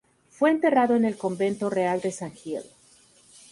Fue enterrado en el convento real de san Gil.